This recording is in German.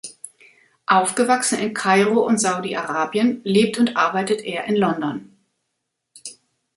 Aufgewachsen in Kairo und Saudi-Arabien, lebt und arbeitet er in London.